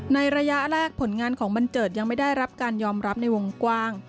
ระยะแรกผลงานของบันเจิดยังไม่ได้รับการยอมรับในวงกว้าง